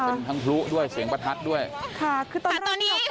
เป็นทั้งพลุด้วยเสียงประทัดด้วยค่ะคือตอนเนี้ย